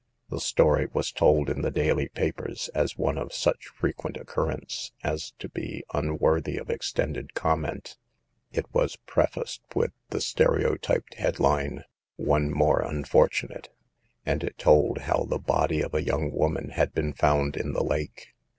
The story was told in the daily papers as one of such frequent occurrence as to be un worthy of extended comment. It was pre faced with the stereotyped headline "One More Unfortunate," and it told how the body of a young woman had been found in the lake ; 2 26 SAVE THE GIRLS.